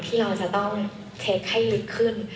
ที่เราจะต้องเช็คให้ลึกขึ้น